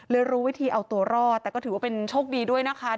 รู้วิธีเอาตัวรอดแต่ก็ถือว่าเป็นโชคดีด้วยนะคะ